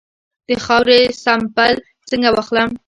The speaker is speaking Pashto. د خاورې سمپل څنګه واخلم؟